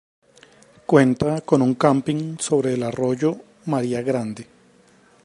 Cuenta con un camping sobre el arroyo María Grande.